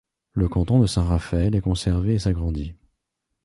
Le canton de Saint-Raphaël est conservé et s'agrandit.